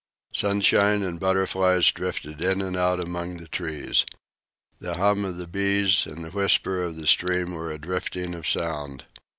Sunshine and butterflies drifted in and out among the trees. The hum of the bees and the whisper of the stream were a drifting of sound.